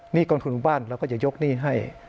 หนี้กองทุนบ้านเราก็จะยกหนี้ให้